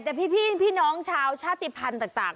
แต่พี่น้องชาวชาติภัณฑ์ต่าง